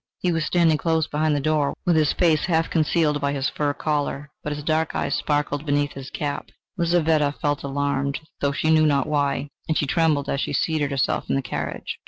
He was standing close behind the door, with his face half concealed by his fur collar, but his dark eyes sparkled beneath his cap. Lizaveta felt alarmed, though she knew not why, and she trembled as she seated herself in the carriage.